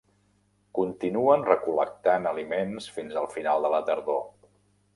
Continuen recol·lectant aliments fins al final de la tardor.